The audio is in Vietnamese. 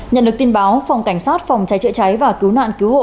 nhận được tin báo phòng cảnh sát phòng cháy chữa cháy và cứu nạn cứu hộ